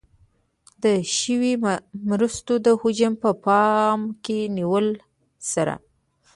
د شویو مرستو د حجم په پام کې نیولو سره.